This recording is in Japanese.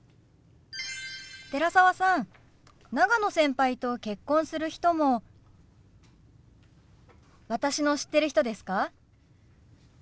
寺澤さん長野先輩と結婚する人も私の知ってる人ですか？